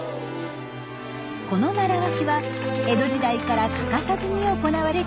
この習わしは江戸時代から欠かさずに行われています。